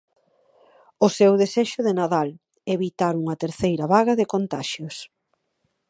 O seu desexo de Nadal: evitar unha terceira vaga de contaxios.